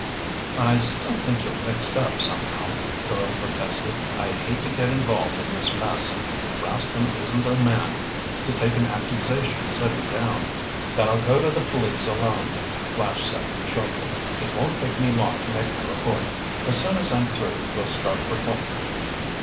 "I still think you're mixed up somehow," Doyle protested. "I hate to get involved in this mess. Rascomb isn't the man to take an accusation sitting down." "Then I'll go to the police alone," Flash said shortly. "It won't take me long to make my report. As soon as I'm through we'll start for Clinton."